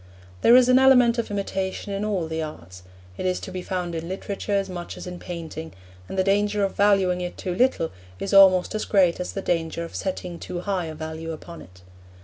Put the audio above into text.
There is an element of imitation in all the arts; it is to be found in literature as much as in painting, and the danger of valuing it too little is almost as great as the danger of setting too high a value upon it.